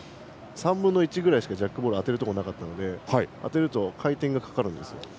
３分の１くらいしかジャックボール当てるところがなかったので当てると回転がかかるんですよ。